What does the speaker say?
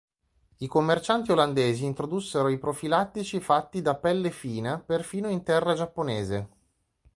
I commercianti olandesi introdussero i profilattici fatti da "pelle fina" perfino in terra giapponese.